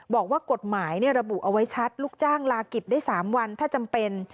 บอกว่ากฎหมายระบุเอาไว้ชัดลูกจ้างลากิจได้๓วันถ้าจำเป็น